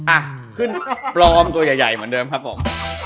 อ่ะขึ้นปลอมตัวใหญ่เหมือนเดิมครับผม